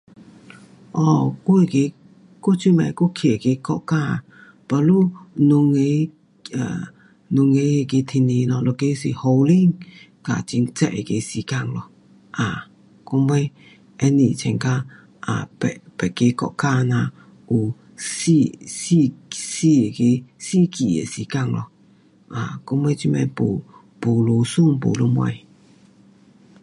um 我是，我这次我去的那个国家 baru 两个 um 两个那个天气咯。一个是雨天跟很热那个时间咯。um 到位不是像呀别，别的国家这样有四，四，四那个，四季的时间咯。um 到尾这次没，没下雪，没什么。